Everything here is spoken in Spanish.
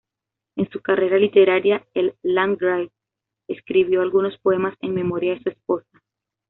En su carrera literaria, el landgrave escribió algunos poemas en memoria de su esposa.